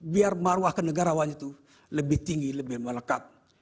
biar maruah kenegarawan itu lebih tinggi lebih melekat